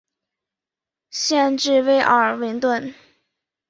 县治威尔明顿。